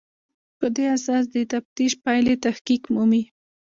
په دې اساس د تفتیش پایلې تحقق مومي.